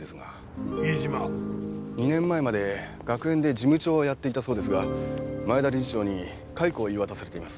２年前まで学園で事務長をやっていたそうですが前田理事長に解雇を言い渡されています。